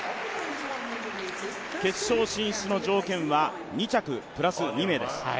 決勝進出の条件は２着プラス２名です。